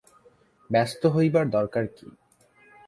ব্যস্ত হইবার দরকার কী।